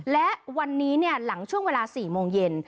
และวันนี้หลังช่วงเวลา๔โมงเย็น